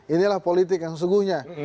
inilah politik yang sesungguhnya